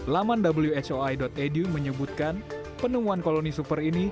laman whoi edu menyebutkan penemuan koloni super ini